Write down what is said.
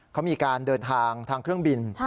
เขามีการเดินทางทางเครื่องบิน